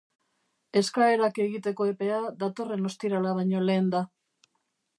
Eskaerak egiteko epea datorren ostirala baino lehen da.